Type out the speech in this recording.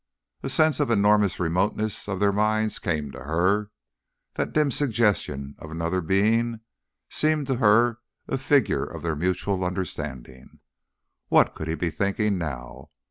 A sense of the enormous remoteness of their minds came to her; that dim suggestion of another being seemed to her a figure of their mutual understanding. What could he be thinking now?